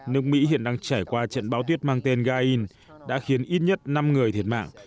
nước mỹ hiện đang trải qua trận bão tuyết mang tên gain đã khiến ít nhất năm người thiệt mạng